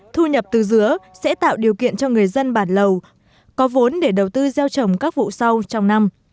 thu nhập từ dứa sẽ tạo điều kiện cho người dân bản lầu có vốn để đầu tư gieo trồng các vụ sau trong năm